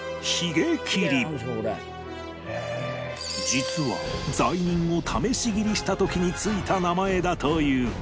実は罪人を試し斬りした時に付いた名前だという